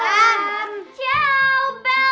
uang uja eh